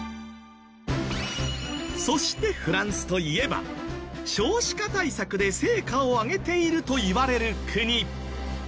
そしてフランスといえば少子化対策で成果を上げているといわれる国。